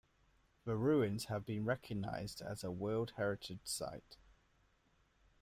The ruins have been recognized as a World Heritage Site.